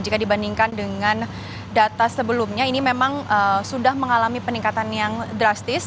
jika dibandingkan dengan data sebelumnya ini memang sudah mengalami peningkatan yang drastis